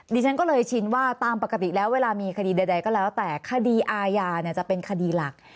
ดิฉันก็เลยชินว่าตามปกติแล้วเวลามีคดีใดก็แล้วแต่คดีอาญาเนี่ยจะเป็นคดีหลัก